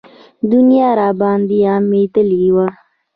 دنيا راباندې غمېدلې وه.